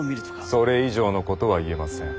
それ以上のことは言えません。